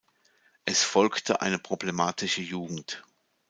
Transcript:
Es folgte eine problematische Jugend.